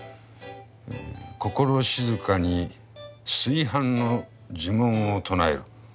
心静かに炊飯の呪文を唱える。